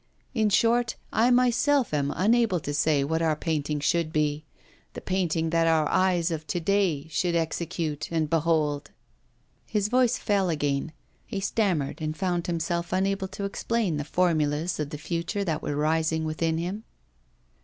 In short, I myself am unable to say what our painting should be; the painting that our eyes of to day should execute and behold.' His voice again fell; he stammered and found himself unable to explain the formulas of the future that were rising within him.